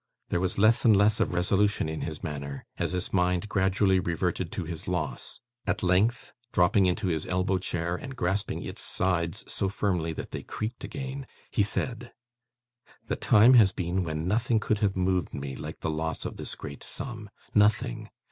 There was less and less of resolution in his manner as his mind gradually reverted to his loss; at length, dropping into his elbow chair and grasping its sides so firmly that they creaked again, he said: 'The time has been when nothing could have moved me like the loss of this great sum. Nothing.